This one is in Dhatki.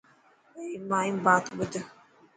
پهرين مائي بات ٻڌ.